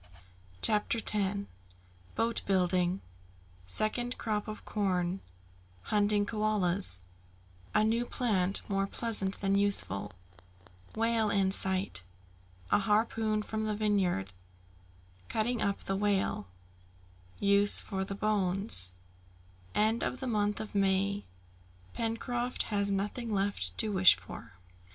CHAPTER X Boat building Second Crop of Corn Hunting Koalas A new Plant, more Pleasant than Useful Whale in Sight A Harpoon from the Vineyard Cutting up the Whale Use for the Bones End of the Month of May Pencroft has nothing left to wish for.